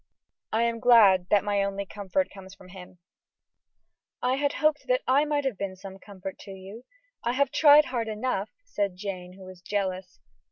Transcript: I am glad that my only comfort comes from him." "I hoped that I might have been some comfort to you; I have tried hard enough," said Jane, who was jealous.